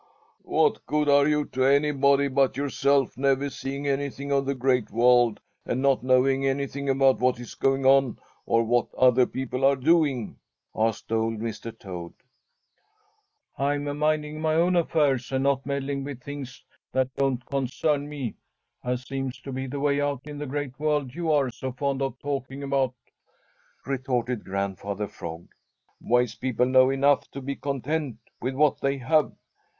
"What good are you to anybody but yourself, never seeing anything of the Great World and not knowing anything about what is going on or what other people are doing?" asked old Mr. Toad. "I'm minding my own affairs and not meddling with things that don't concern me, as seems to be the way out in the Great World you are so fond of talking about," retorted Grandfather Frog. "Wise people know enough to be content with what they have.